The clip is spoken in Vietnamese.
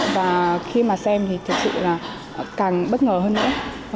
và khi mà xem thì thực sự là càng bất ngờ hơn nữa